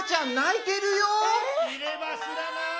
・いればしらない？